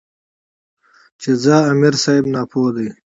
چې ځه امیر صېب ناپوهَ دے ـ